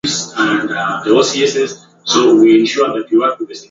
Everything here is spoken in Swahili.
Kuna misimu miwili ya mvua katika wa manyara